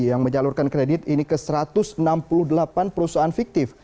yang menyalurkan kredit ini ke satu ratus enam puluh delapan perusahaan fiktif